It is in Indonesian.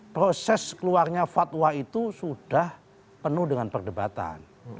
proses keluarnya fatwa itu sudah penuh dengan perdebatan